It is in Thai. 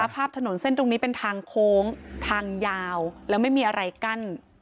ถนนเส้นตรงนี้เป็นทางโค้งทางยาวแล้วไม่มีอะไรกั้น